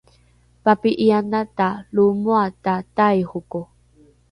papi’ianata lo moata taihoko?